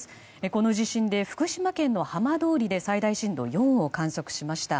この地震で福島県浜通りで最大震度４を観測しました。